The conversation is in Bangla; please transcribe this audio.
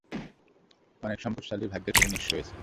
অনেক সম্পদশালীই ভাগ্যের ফেরে নিঃস্ব হয়েছেন।